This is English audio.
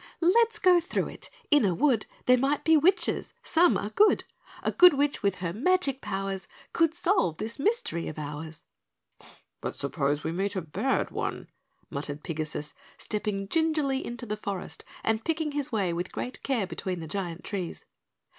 "Let's go through it, in a wood There might be witches, some are good, A good witch with her magic powers Could solve this mystery of ours!" "But suppose we meet a bad one," muttered Pigasus, stepping gingerly into the forest and picking his way with great care between the giant trees.